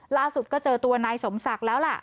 ล่าสุดก็เจอตัวนายสมศักดิ์แล้วล่ะ